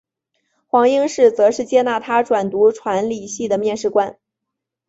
黄应士则是接纳他转读传理系的面试官。